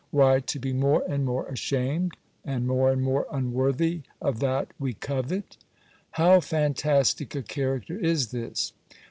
Why, to be more and more ashamed, and more and more unworthy of that we covet! How fantastic a character is this!